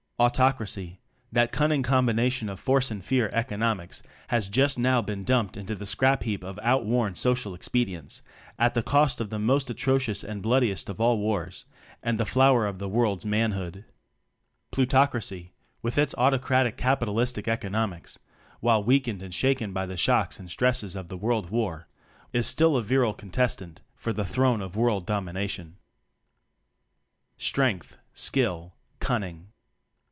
Autocracy, that cunning combination of force and fear economics, has just now been dumped into the scrap heap of out worn social expedients, at the cost of the most atrocious and blood iest of all wars, and the flower of the World's Manhood. Plutocracy, with its autocratic capi talistic economics (while weakened and shaken by the shocks and stresses of the World War) is still a virile contestant for the throne of World Dominion. Strength, Skill, Cunning.